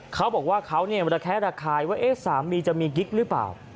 เขาบอกว่าเขาระแคะระคายว่าสามีจะมีกิ๊กหรือเปล่า